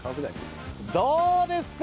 どうですか？